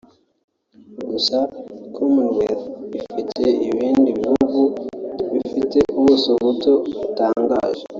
Gusa Commonwealth ifite ibindi bihugu bifite ubuso buto butangaje